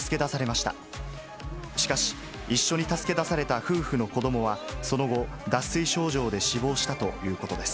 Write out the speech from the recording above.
しかし、一緒に助け出された夫婦の子どもは、その後、脱水症状で死亡したということです。